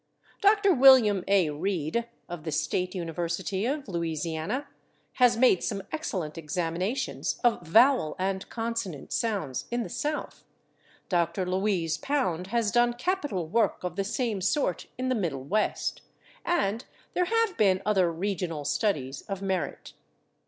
Dr. William A. Read, of the State University of Louisiana, has made some excellent examinations [Pg235] of vowel and consonant sounds in the South, Dr. Louise Pound has done capital work of the same sort in the Middle West, and there have been other regional studies of merit.